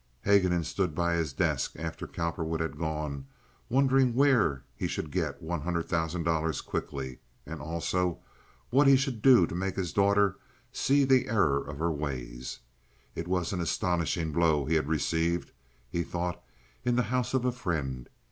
Haguenin stood by his desk after Cowperwood had gone, wondering where he should get one hundred thousand dollars quickly, and also what he should do to make his daughter see the error of her ways. It was an astonishing blow he had received, he thought, in the house of a friend.